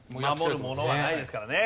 守るものはないですからね。